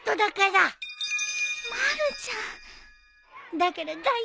だから大丈夫だよ。